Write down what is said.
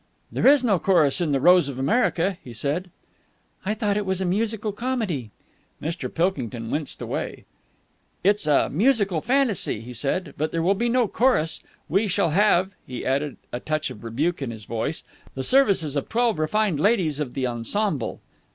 "There is no chorus in 'The Rose of America,'" he said. "I thought it was a musical comedy." Mr. Pilkington winced again. "It is a musical fantasy!" he said. "But there will be no chorus. We shall have," he added, a touch of rebuke in his voice, "the services of twelve refined ladies of the ensemble."